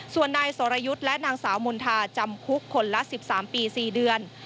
ส่วนนายสรยุทธ์และนางสาวมณฑาจำคุกคนละ๑๓ปี๔เดือน